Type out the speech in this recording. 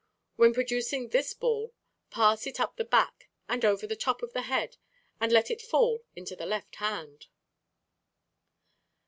When producing this ball, pass it up the back and over the top of the head and let it fall into the left hand.